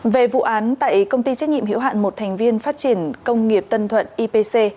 về vụ án tại công ty trách nhiệm hiểu hạn một thành viên phát triển công nghiệp tân thuận ipc